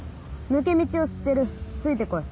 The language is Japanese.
抜け道を知ってるついて来い。